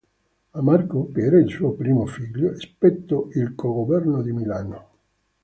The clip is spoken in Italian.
A Marco, che era il suo primo figlio, spettò il co-governo di Milano.